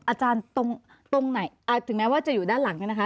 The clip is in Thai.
อาจารย์ตรงไหนถึงแม้ว่าจะอยู่ด้านหลังเนี่ยนะคะ